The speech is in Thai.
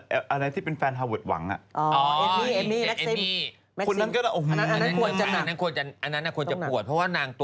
อะแฮนท์ฟแฟนฮาร์วัสวัง